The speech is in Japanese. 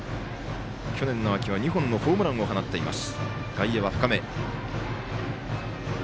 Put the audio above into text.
去年の秋は２本のホームランを放っています。